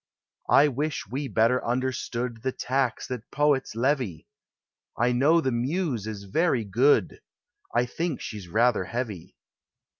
I wish We betti r nnderstood The tax that poets Levy ! I know the Muse is wry good— I think she's ratlin heavy.